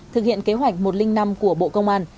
thực hiện kế hoạch một trăm linh năm của bộ công an